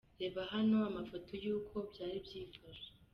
Reba hano amafoto y’uko byari byifashe.